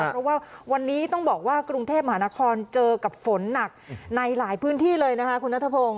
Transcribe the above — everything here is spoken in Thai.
เพราะว่าวันนี้ต้องบอกว่ากรุงเทพมหานครเจอกับฝนหนักในหลายพื้นที่เลยนะคะคุณนัทพงศ